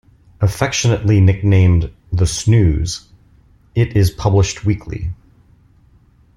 Affectionately nicknamed "The Snooze", it is published weekly.